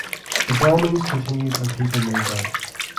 The bombings continued and people moved out.